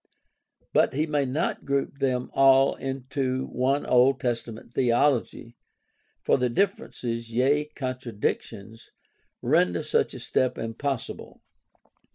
But he may not group them all into one Old Testament theology, for the differences, yea, contradictions, render such a step impossible.